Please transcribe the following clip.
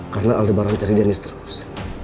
karena aldebaran cari denise terus